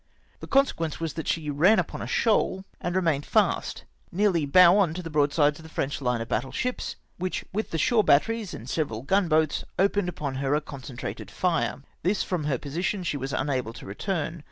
The consequence was that she ran upon a shoal, and re mained fast, nearly bow on to the broadsides of the French line of battle sliips, which with the shore bat teries and several gunboats opened upon her a con LOSS OF THE HANNIBAL. 131 centrated fire. Tins, from her position, she was unable to return.